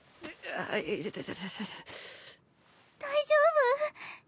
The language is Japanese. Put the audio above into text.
大丈夫？